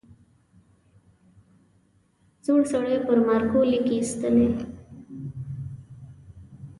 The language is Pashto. زوړ سړي پر مارکر ليکې ایستلې.